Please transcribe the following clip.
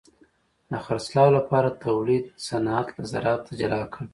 د خرڅلاو لپاره تولید صنعت له زراعت جلا کړ.